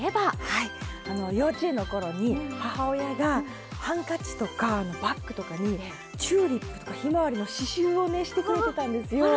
はい幼稚園の頃に母親がハンカチとかバッグとかにチューリップとかひまわりの刺しゅうをねしてくれてたんですよ。